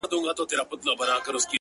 دا سپوږمۍ وينې،